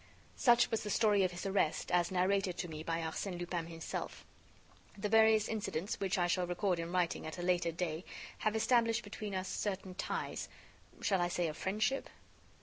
Such was the story of his arrest as narrated to me by Arsène Lupin himself. The various incidents, which I shall record in writing at a later day, have established between us certain ties.... shall I say of friendship?